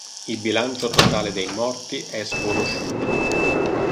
Il bilancio totale dei morti è sconosciuto.